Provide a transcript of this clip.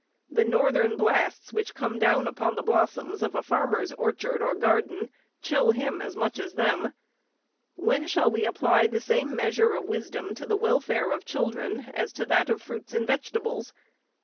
The northern blasts which come down upon the blossoms of a farmer's orchard or garden chill him as much as them. When shall we apply the same measure of wisdom to the welfare of children as to that of fruits and vegetables ?